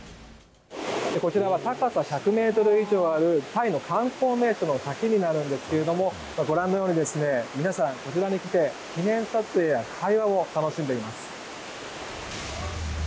こちらは高さ１００ｍ以上あるタイの観光名所の滝になるんですけどご覧のように、皆さんこちらに来て記念撮影や会話を楽しんでいます。